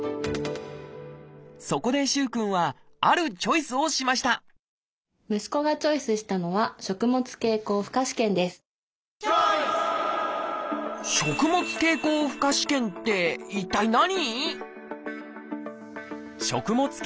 そこで萩くんはあるチョイスをしました息子がチョイスしたのは「食物経口負荷試験」って一体何？